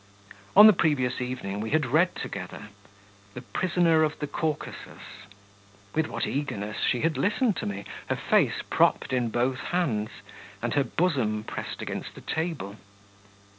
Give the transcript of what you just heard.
On the previous evening we had read together. The Prisoner of the Caucasus. With what eagerness she had listened to me, her face propped in both hands, and her bosom pressed against the table!